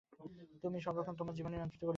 তুমিই সর্বক্ষণ তোমার জীবন নিয়ন্ত্রিত করিতেছ।